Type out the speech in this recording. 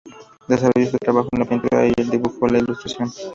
Desarrolló su trabajo en la pintura, el dibujo y la ilustración.